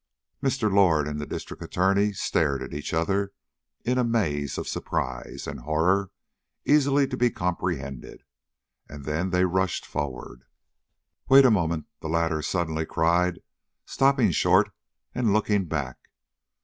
Mr. Lord and the District Attorney stared at each other in a maze of surprise and horror easily to be comprehended, and then they rushed forward. "Wait a moment," the latter suddenly cried, stopping short and looking back.